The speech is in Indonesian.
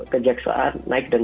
kejaksaan naik dan